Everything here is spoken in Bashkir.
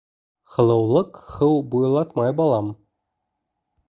— Һылыулыҡ һыу буйлатмай, балам.